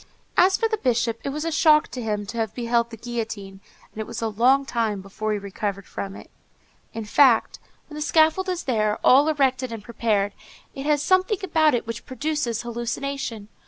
As for the Bishop, it was a shock to him to have beheld the guillotine, and it was a long time before he recovered from it. In fact, when the scaffold is there, all erected and prepared, it has something about it which produces hallucination.